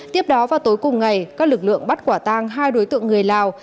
tiếp đó vào tối cùng ngày các lực lượng bắt quả tang hai đối tượng người lào